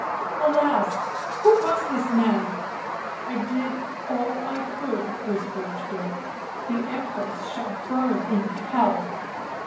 " Alas ! who was this man ?"" I did all I could," whispered Dirk ..." the Empress shall burn in hell."